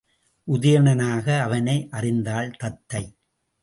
உதயணனாக அவனை அறிந்தாள் தத்தை.